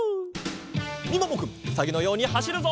みももくんうさぎのようにはしるぞ！